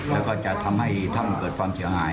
แล้วก็จะทำให้ถ้ำเกิดความเสียหาย